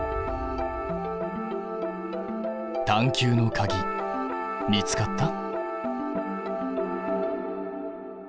探究のかぎ見つかった？